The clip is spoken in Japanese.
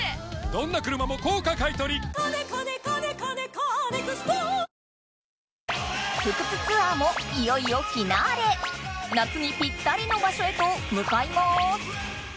光のキッチンザ・クラッソ福津ツアーもいよいよフィナーレ夏にぴったりの場所へと向かいます